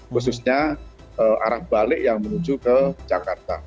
khususnya arah balik yang menuju ke jakarta